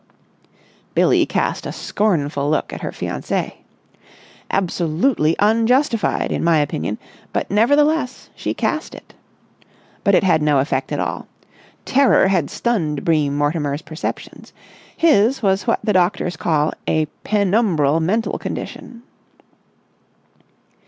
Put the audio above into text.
Billie cast a scornful look at her fiancé. Absolutely unjustified, in my opinion, but nevertheless she cast it. But it had no effect at all. Terror had stunned Bream Mortimer's perceptions. His was what the doctors call a penumbral mental condition.